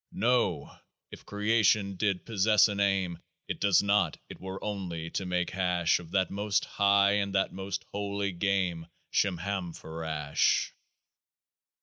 No ! if creation did possess an aim (It does not.) it were only to make hash Of that most " high " and that most holy game, Shemhamphorash